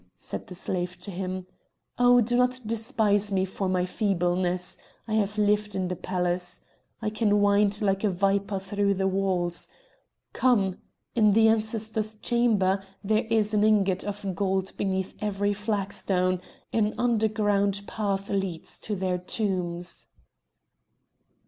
said the slave to him. "Oh! do not despise me for my feebleness! I have lived in the palace. I can wind like a viper through the walls. Come! in the Ancestor's Chamber there is an ingot of gold beneath every flagstone; an underground path leads to their tombs."